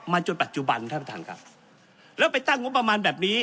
จนปัจจุบันท่านประธานครับแล้วไปตั้งงบประมาณแบบนี้